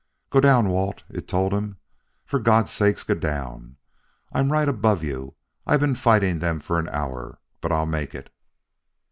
"Go down, Walt," it told him. "For God's sake, go down! I'm right above you; I've been fighting them for an hour; but I'll make it!"